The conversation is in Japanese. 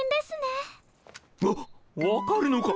わ分かるのか。